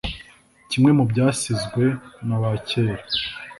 Kimwe mubyasizwe na ba kera